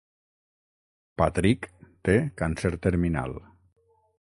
Patrick té càncer terminal.